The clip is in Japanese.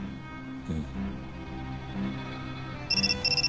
うん。